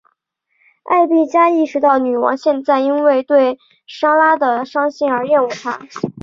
艾碧嘉意识到女王现在因为对莎拉的伤心而厌恶她。